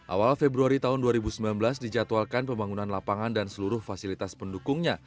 awal februari tahun dua ribu sembilan belas dijadwalkan pembangunan lapangan dan seluruh fasilitas pendukungnya